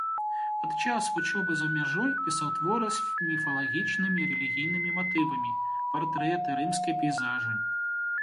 Падчас вучобы за мяжой пісаў творы з міфалагічнымі і рэлігійнымі матывамі, партрэты, рымскія пейзажы.